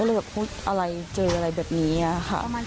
แล้วเราก็พูดอะไรเจออะไรแบบนี้เอ้ยค่ะ